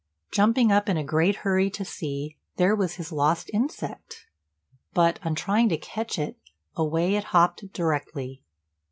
Jumping up in a great hurry to see, there was his lost insect; but, on trying to catch it, away it hopped directly.